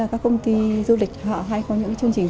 các công ty du lịch họ hay có những chương trình